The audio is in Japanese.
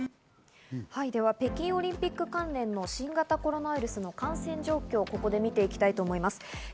北京オリンピック関連の新型コロナウイルスの感染状況をここで見ていきたいと思います。